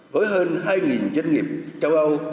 với hơn hai doanh nghiệp châu âu